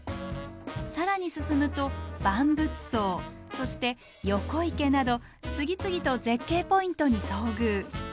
更に進むと万物相そして横池など次々と絶景ポイントに遭遇。